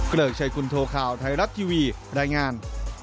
เกลิกชัยกุลโทรค่าวไทยรัฐทีวีรายงาน